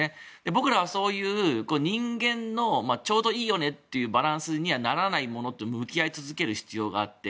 僕らはそういう人間のちょうどいいよねというバランスにならないものに向き合い続ける必要があって。